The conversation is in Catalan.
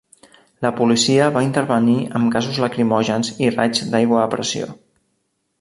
La policia va intervenir amb gasos lacrimògens i raigs d'aigua a pressió.